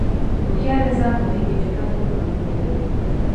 هوښیار انسان پوهېږي چې هر څوک کمزوري لري.